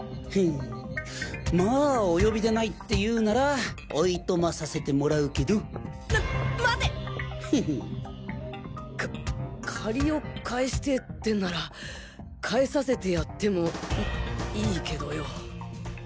まぁお呼びでないっていうならお暇させてもらうけど。ままて！！か借りを返してぇってんなら返させてやってもいいいけどよ。